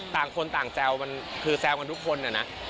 ต่างคนต่างแซวมันคือแซวกันทุกคนนะ